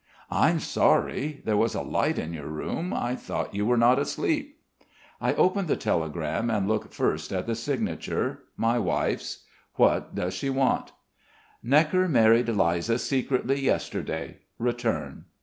"I'm sorry. There was a light in your room. I thought you were not asleep." I open the telegram and look first at the signature my wife's. What does she want? "Gnekker married Liza secretly yesterday. Return."